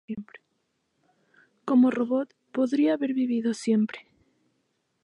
Como robot, podría haber vivido siempre.